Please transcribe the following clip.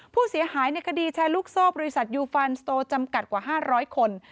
ผู้เสียหายในคดีแชร์ลูกโซ่บริษัทยูฟันสโตจำกัดกว่า๕๐๐คน